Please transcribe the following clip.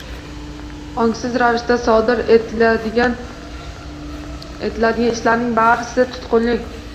Ongsiz ravishda sodir etiladigan ishlarning barisi – tutqunlik.